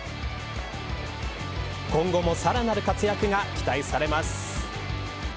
今後もさらなる活躍が期待されます。